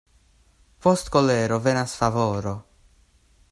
Post kolero venas favoro.